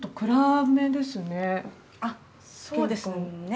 あっそうですね。